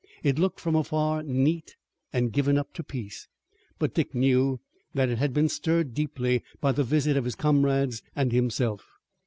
It looked from afar neat and given up to peace, but Dick knew that it had been stirred deeply by the visit of his comrades and himself.